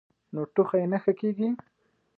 نو ټوخی نۀ ښۀ کيږي -